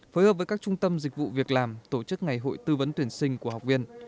phối hợp với các trung tâm dịch vụ việc làm tổ chức ngày hội tư vấn tuyển sinh của học viên